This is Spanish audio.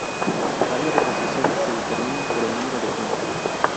Tabla de posiciones se determinan por el número de puntos.